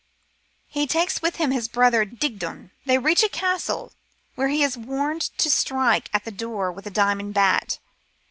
He takes with him his brother Digdon. They reach a castle, where he is warned to strike at the door with a diamond bat.